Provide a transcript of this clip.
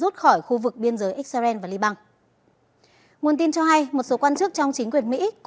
theo giờ mỹ